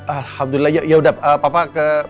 alhamdulillah ya sudah bapak ke